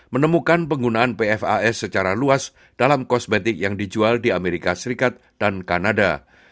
menemukan penggunaan pfas secara luas dalam kosmetik yang dijual di amerika serikat dan kanada